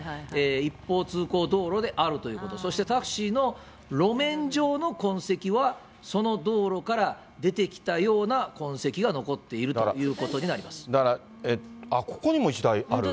一方通行道路であるということ、そして、タクシーの路面上の痕跡は、その道路から出てきたような痕跡が残っているということになりまだから、ここにも１台ある。